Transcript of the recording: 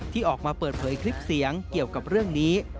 ที่ออกมาเปิดเผยคลิปเสียงเกี่ยวกับเรื่องนี้